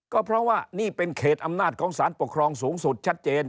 ก็เพราะว่านี่เป็นเขตอำนาจของสารปกครองสูงสุดชัดเจน